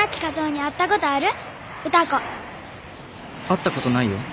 「会ったことないよ